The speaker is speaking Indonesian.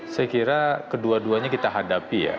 saya kira kedua duanya kita hadapi ya